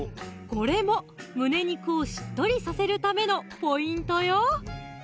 これも胸肉をしっとりさせるためのポイントよ